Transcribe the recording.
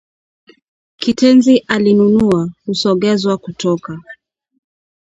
Kitenzi 'alinunua' husogezwa kutoka